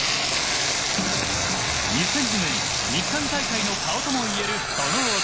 ２００２年日韓大会の「顔」ともいえるその男。